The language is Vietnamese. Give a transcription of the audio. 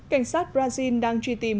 cảnh sát brazil đang truy tìm